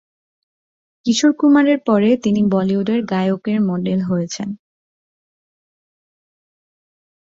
কিশোর কুমার এর পরে তিনি বলিউডের গায়কের মডেল হয়েছেন।